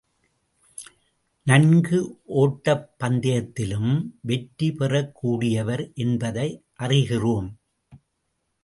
நன்கு ஓட்டப்பந்தயத்திலும் வெற்றி பெறக் கூடியவர் என்பதை அறிகிறோம்.